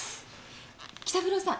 紀三郎さん。